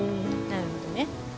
なるほどね。